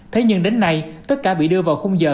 thế nhưng đến nay tất cả bị đưa vào khung giờ